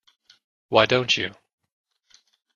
Why don't you?